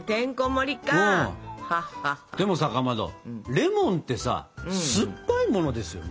でもさかまどレモンってさ酸っぱいものですよね？